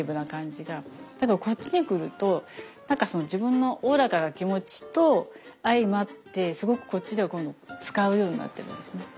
だけどこっちに来ると自分のおおらかな気持ちと相まってすごくこっちでは今度使うようになってるんですね。